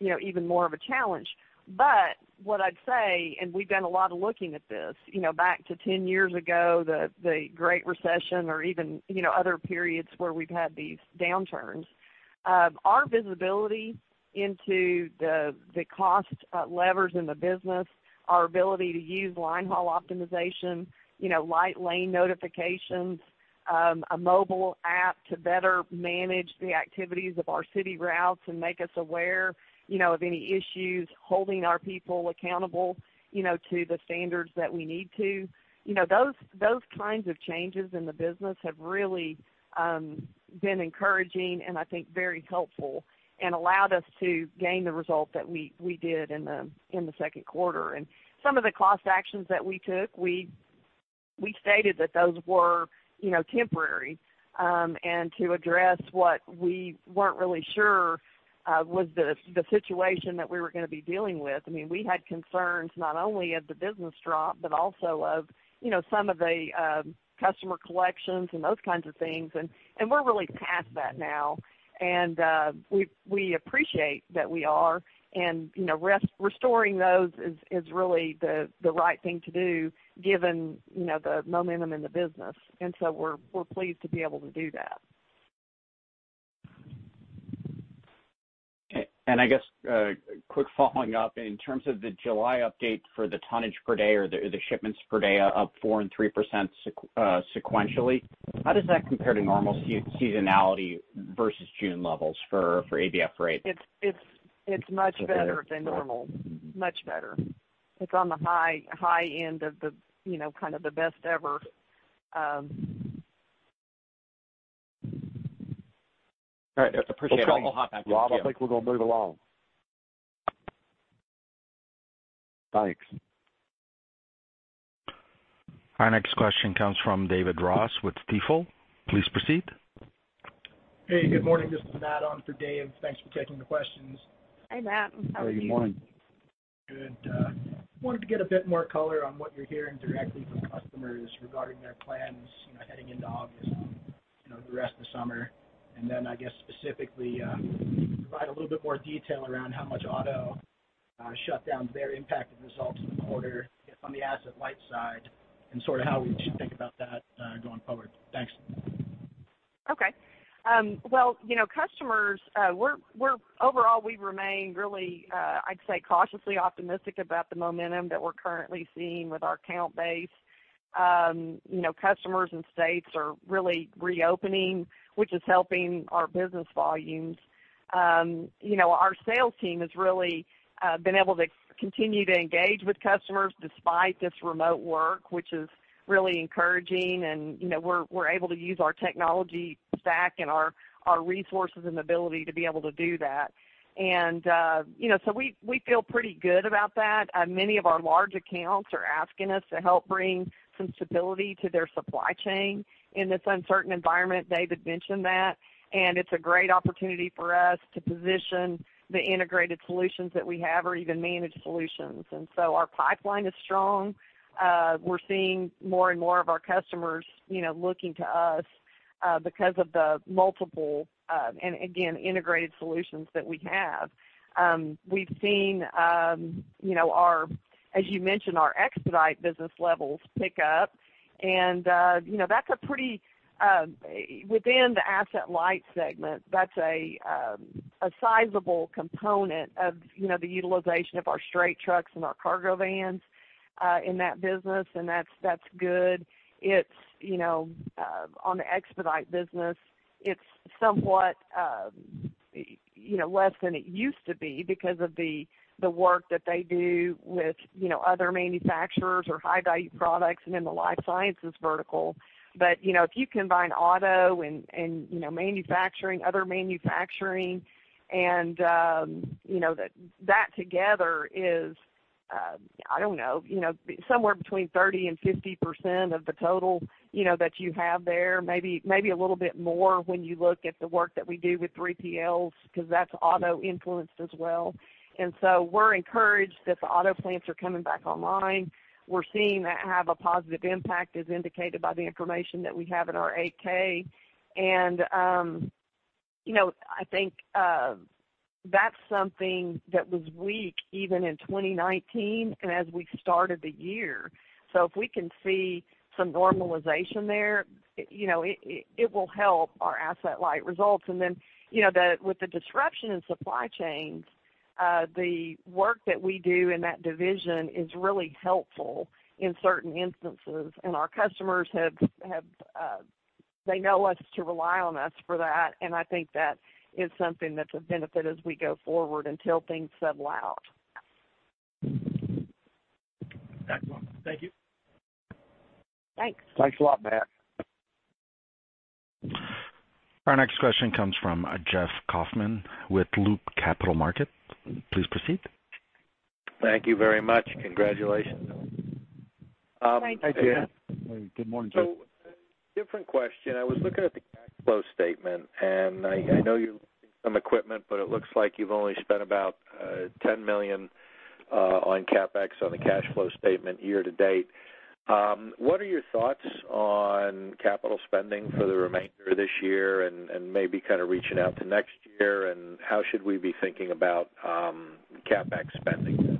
you know, even more of a challenge. But what I'd say, and we've done a lot of looking at this, you know, back to 10 years ago, the Great Recession, or even, you know, other periods where we've had these downturns. Our visibility into the cost levers in the business, our ability to use linehaul optimization, you know, light lane notifications, a mobile app to better manage the activities of our city routes and make us aware, you know, of any issues, holding our people accountable, you know, to the standards that we need to. You know, those kinds of changes in the business have really been encouraging and I think very helpful and allowed us to gain the result that we did in the second quarter. Some of the cost actions that we took, we stated that those were, you know, temporary, and to address what we weren't really sure was the situation that we were gonna be dealing with. I mean, we had concerns not only of the business drop, but also of, you know, some of the customer collections and those kinds of things, and we're really past that now. We appreciate that we are, and you know, restoring those is really the right thing to do given, you know, the momentum in the business, and so we're pleased to be able to do that. Okay, and I guess, quick following up, in terms of the July update for the tonnage per day or the shipments per day up 4% and 3% sequentially, how does that compare to normal seasonality versus June levels for ABF Freight? It's much better than normal, much better. It's on the high, high end of the, you know, kind of the best ever. All right, appreciate it. I'll hop back with you. Rob, I think we're gonna move along. Thanks. Our next question comes from David Ross with Stifel. Please proceed. Hey, good morning. This is Matt on for Dave. Thanks for taking the questions. Hi, Matt, how are you? Good morning. Good. Wanted to get a bit more color on what you're hearing directly from customers regarding their plans, you know, heading into August, you know, the rest of the summer. And then, I guess, specifically, provide a little bit more detail around how much auto shutdown very impacted results in the quarter on the Asset-Light side and sort of how we should think about that, going forward. Thanks. Okay. Well, you know, customers, we're overall, we've remained really, I'd say, cautiously optimistic about the momentum that we're currently seeing with our account base. You know, customers and states are really reopening, which is helping our business volumes. You know, our sales team has really been able to continue to engage with customers despite this remote work, which is really encouraging and, you know, we're able to use our technology stack and our resources and ability to be able to do that. And, you know, so we feel pretty good about that. Many of our large accounts are asking us to help bring some stability to their supply chain in this uncertain environment. David mentioned that, and it's a great opportunity for us to position the integrated solutions that we have or even managed solutions. Our pipeline is strong. We're seeing more and more of our customers, you know, looking to us because of the multiple and again, integrated solutions that we have. We've seen, you know, as you mentioned, our expedite business levels pick up and, you know, that's a pretty sizable component within the Asset-Light segment of the utilization of our straight trucks and our cargo vans in that business, and that's good. It's, you know, on the expedite business, it's somewhat less than it used to be because of the work that they do with, you know, other manufacturers or high-value products and in the life sciences vertical. But, you know, if you combine auto and manufacturing, other manufacturing and that together is, I don't know, you know, somewhere between 30% and 50% of the total, you know, that you have there. Maybe a little bit more when you look at the work that we do with 3PLs, because that's auto influenced as well. And so we're encouraged that the auto plants are coming back online. We're seeing that have a positive impact, as indicated by the information that we have in our 8-K. And, you know, I think, that's something that was weak even in 2019 and as we started the year. So if we can see some normalization there, you know, it will help our Asset-Light results. And then, you know, with the disruption in supply chains, the work that we do in that division is really helpful in certain instances, and our customers, they know us to rely on us for that, and I think that is something that's a benefit as we go forward until things settle out. Excellent. Thank you. Thanks. Thanks a lot, Matt. Our next question comes from Jeff Kauffman with Loop Capital Markets. Please proceed. Thank you very much. Congratulations.... Hi, Jeff. Good morning, Jeff. Different question. I was looking at the cash flow statement, and I know you're buying some equipment, but it looks like you've only spent about $10 million on CapEx on the cash flow statement year to date. What are your thoughts on capital spending for the remainder of this year and maybe kind of reaching out to next year? And how should we be thinking about CapEx spending?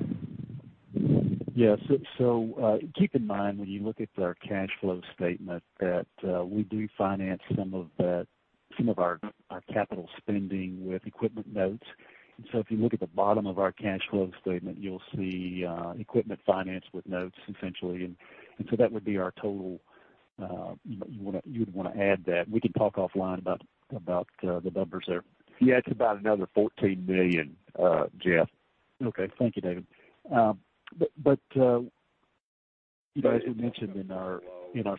Yes. So, keep in mind, when you look at our cash flow statement, that, we do finance some of our capital spending with equipment notes. And so if you look at the bottom of our cash flow statement, you'll see, equipment financed with notes essentially. And so that would be our total, you'd want to add that. We can talk offline about the numbers there. Yeah, it's about another $14 million, Jeff. Okay. Thank you, David. But as we mentioned in our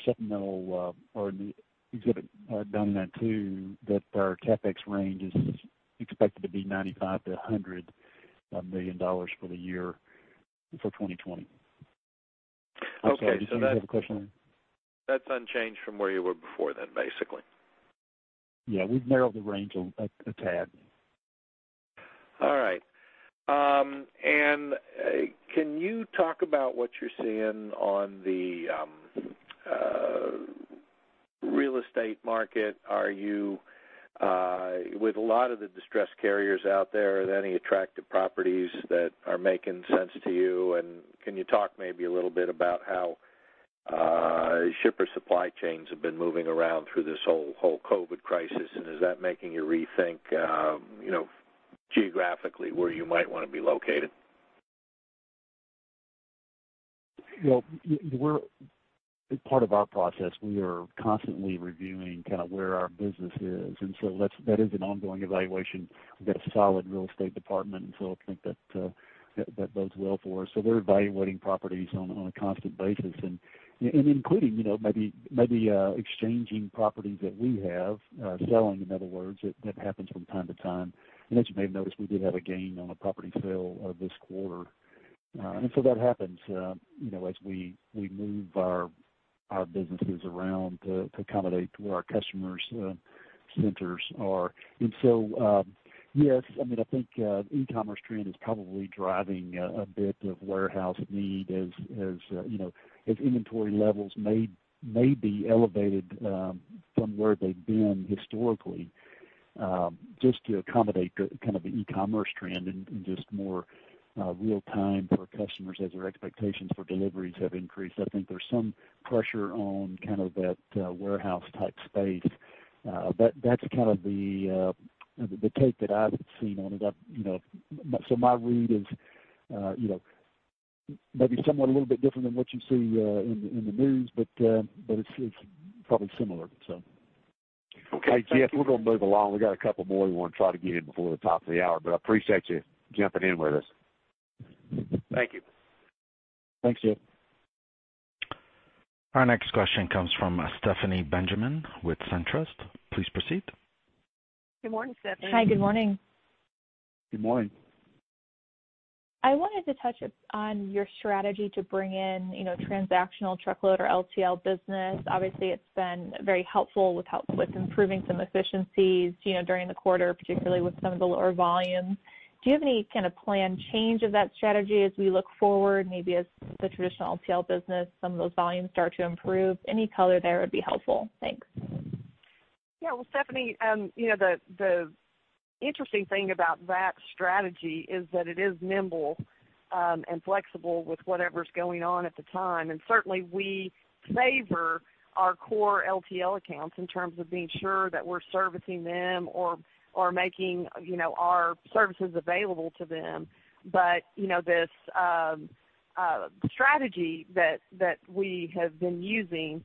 Supplemental or in the exhibit document too, that our CapEx range is expected to be $95 million-$100 million for the year for 2020. Okay. I'm sorry, did you have a question? That's unchanged from where you were before then, basically? Yeah, we've narrowed the range a tad. All right. And can you talk about what you're seeing on the real estate market? Are you... With a lot of the distressed carriers out there, are there any attractive properties that are making sense to you? And can you talk maybe a little bit about how shipper supply chains have been moving around through this whole COVID crisis? And is that making you rethink, you know, geographically, where you might want to be located? Well, we're part of our process, we are constantly reviewing kind of where our business is, and so that's, that is an ongoing evaluation. We've got a solid real estate department, and so I think that, that bodes well for us. So we're evaluating properties on a constant basis and including, you know, maybe exchanging properties that we have, selling, in other words, that happens from time to time. And as you may have noticed, we did have a gain on a property sale this quarter. And so that happens, you know, as we move our businesses around to accommodate where our customers' centers are. And so, yes, I mean, I think e-commerce trend is probably driving a bit of warehouse need as, you know, as inventory levels may be elevated from where they've been historically, just to accommodate the kind of the e-commerce trend and just more real time for customers as their expectations for deliveries have increased. I think there's some pressure on kind of that warehouse type space. That's kind of the take that I've seen on it. You know, so my read is, you know, maybe somewhat a little bit different than what you see in the news, but it's probably similar, so. Okay, Jeff, we're going to move along. We got a couple more we want to try to get in before the top of the hour, but I appreciate you jumping in with us. Thank you. Thanks, Jeff. Our next question comes from Stephanie Benjamin with SunTrust Robinson Humphrey. Please proceed. Good morning, Stephanie. Hi, good morning. Good morning. I wanted to touch on your strategy to bring in, you know, transactional truckload or LTL business. Obviously, it's been very helpful with improving some efficiencies, you know, during the quarter, particularly with some of the lower volumes. Do you have any kind of planned change of that strategy as we look forward, maybe as the traditional LTL business, some of those volumes start to improve? Any color there would be helpful. Thanks. Yeah, well, Stephanie, you know, the interesting thing about that strategy is that it is nimble and flexible with whatever's going on at the time. And certainly we favor our core LTL accounts in terms of being sure that we're servicing them or making, you know, our services available to them. But, you know, this strategy that we have been using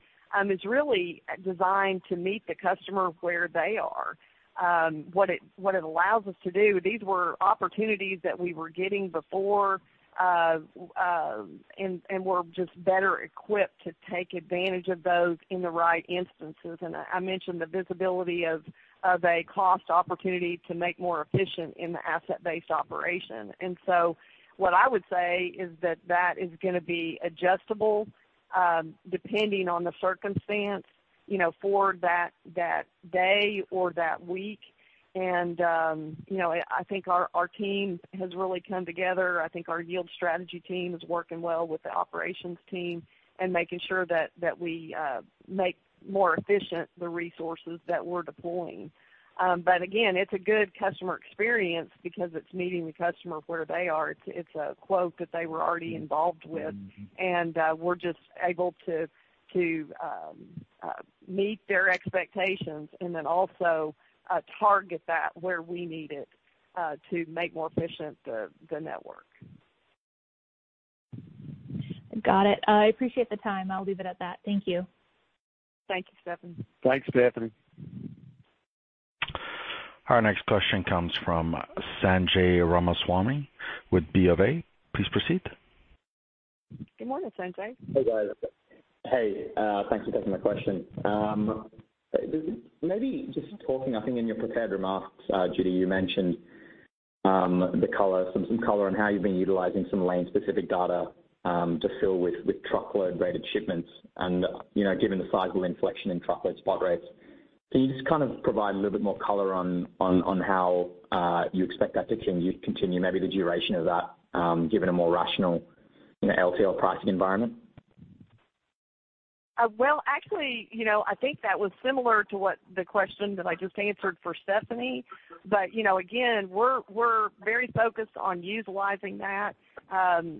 is really designed to meet the customer where they are. What it allows us to do, these were opportunities that we were getting before, and we're just better equipped to take advantage of those in the right instances. And I mentioned the visibility of a cost opportunity to make more efficient in the Asset-Based operation. What I would say is that that is going to be adjustable, depending on the circumstance, you know, for that day or that week. You know, I think our team has really come together. I think our yield strategy team is working well with the operations team and making sure that we make more efficient the resources that we're deploying. But again, it's a good customer experience because it's meeting the customer where they are. It's a quote that they were already involved with, and we're just able to meet their expectations and then also target that where we need it to make more efficient the network. Got it. I appreciate the time. I'll leave it at that. Thank you. Thank you, Stephanie. Thanks, Stephanie. Our next question comes from Sanjay Ramaswamy with BofA. Please proceed. Good morning, Sanjay. Hey, guys. Hey, thanks for taking my question. Maybe just talking, I think in your prepared remarks, Judy, you mentioned...... the color, some color on how you've been utilizing some lane-specific data to fill with truckload-rated shipments. And, you know, given the cyclical inflection in truckload spot rates, can you just kind of provide a little bit more color on how you expect that to continue, maybe the duration of that, given a more rational, you know, LTL pricing environment? Well, actually, you know, I think that was similar to what the question that I just answered for Stephanie. But, you know, again, we're very focused on utilizing that,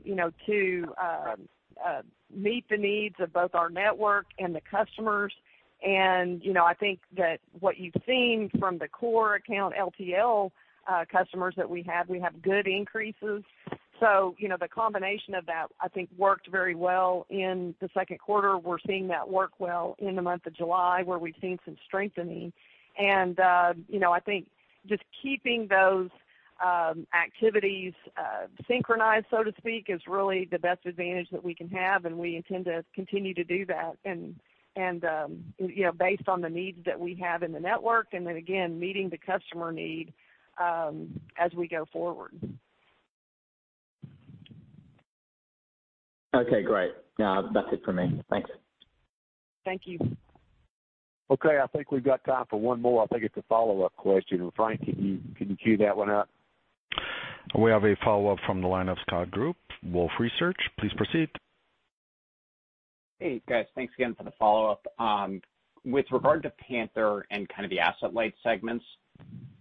you know, to meet the needs of both our network and the customers. And, you know, I think that what you've seen from the core account LTL customers that we have, we have good increases. So, you know, the combination of that, I think, worked very well in the second quarter. We're seeing that work well in the month of July, where we've seen some strengthening. And, you know, I think just keeping those activities synchronized, so to speak, is really the best advantage that we can have, and we intend to continue to do that. You know, based on the needs that we have in the network, and then again, meeting the customer need, as we go forward. Okay, great. Now, that's it for me. Thanks. Thank you. Okay, I think we've got time for one more. I think it's a follow-up question. Frank, can you, can you queue that one up? We have a follow-up from the line of Scott Group, Wolfe Research. Please proceed. Hey, guys. Thanks again for the follow-up. With regard to Panther and kind of the Asset-Light segments,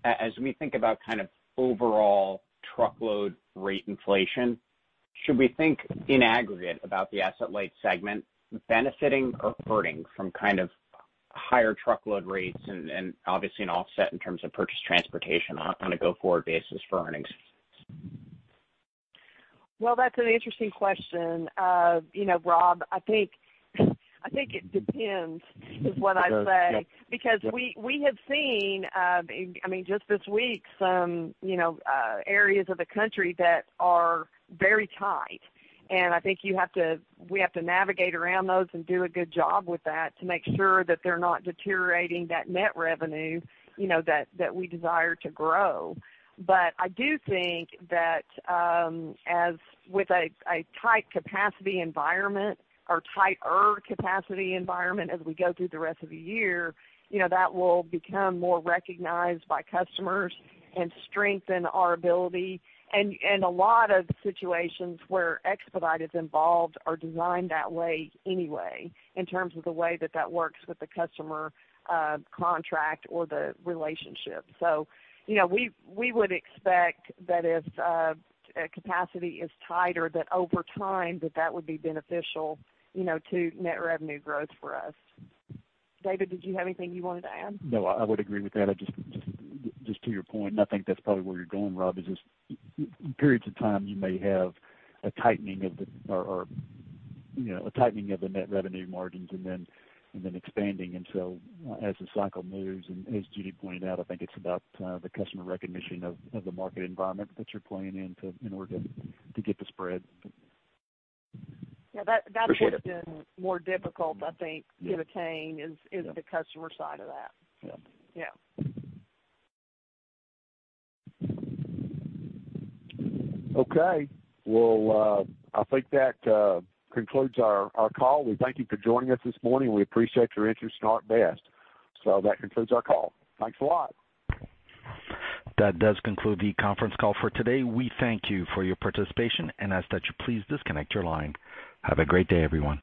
as we think about kind of overall truckload rate inflation, should we think in aggregate about the Asset-Light segment benefiting or hurting from kind of higher truckload rates and, and obviously, an offset in terms of purchased transportation on a go-forward basis for earnings? Well, that's an interesting question. You know, Rob, I think, I think it depends, is what I'd say. It does, yep. Because we have seen, I mean, just this week, some, you know, areas of the country that are very tight. And I think you have to... we have to navigate around those and do a good job with that to make sure that they're not deteriorating that net revenue, you know, that we desire to grow. But I do think that, as with a tight capacity environment or tighter capacity environment as we go through the rest of the year, you know, that will become more recognized by customers and strengthen our ability. And a lot of situations where expedite is involved are designed that way anyway, in terms of the way that that works with the customer, contract or the relationship. So, you know, we would expect that if capacity is tighter, that over time that would be beneficial, you know, to net revenue growth for us. David, did you have anything you wanted to add? No, I would agree with that. I just to your point, and I think that's probably where you're going, Rob, is just periods of time, you may have a tightening of the, you know, a tightening of the net revenue margins and then expanding. And so as the cycle moves, and as Judy pointed out, I think it's about the customer recognition of the market environment that you're playing in to, in order to get the spread. Yeah, that- Appreciate it. That's what's been more difficult, I think, to attain, is the customer side of that. Yeah. Yeah. Okay. Well, I think that concludes our call. We thank you for joining us this morning. We appreciate your interest in ArcBest. So that concludes our call. Thanks a lot. That does conclude the conference call for today. We thank you for your participation and ask that you please disconnect your line. Have a great day, everyone.